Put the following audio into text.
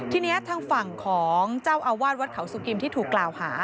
ทีนี้ทางฝั่งของเจ้าอาวาสวัดเขาสุกิมที่ถูกกล่าวหา